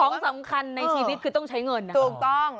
ของสำคัญในชีวิตคือต้องใช้เงินนะถูกต้อง